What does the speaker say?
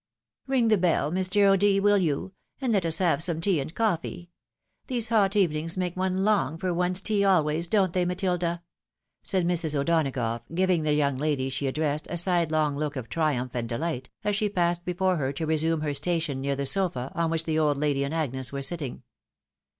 " Ring the bell, Mr. O'D., wiU you ? and let us have some tea and cofifee. These hot evenings make one long for one's tea always, don't they Matilda ?" said Mrs. O'Donagough, giving the young lady she addressed a sidelong look of triumph and dehght, as she passed before her to resume her station near the sofa on which the old lady and Agnes were sitting.